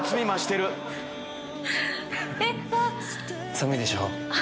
寒いでしょ。